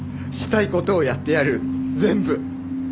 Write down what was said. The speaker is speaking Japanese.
したい事をやってやる全部。